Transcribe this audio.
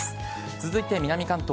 続いて南関東。